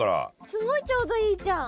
すごいちょうどいいじゃん。